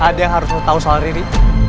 ada yang harus lo tau soal riri